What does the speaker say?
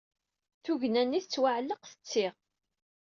Tugna-nni tettwaɛelleq tetti.